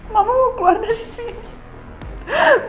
mbak mbak mau keluar dari sini